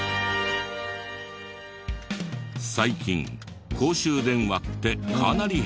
最近公衆電話ってかなり減ったけど。